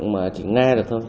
mà chỉ nghe được thôi